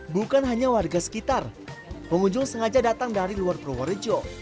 bukan hanya warga sekitar pengunjung sengaja datang dari luar purworejo